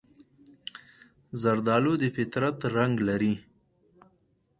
زردالو د فطرت رنګ لري.